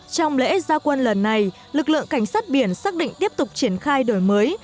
trong lễ gia quân lần này lực lượng cảnh sát biển xác định tiếp tục triển khai đổi mới